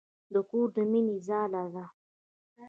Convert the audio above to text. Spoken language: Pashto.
د کور د مينې ځاله ده.